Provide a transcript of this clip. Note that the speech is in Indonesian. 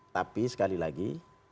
tapi sekali lagi